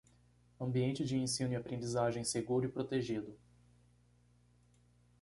Ambiente de ensino e aprendizagem seguro e protegido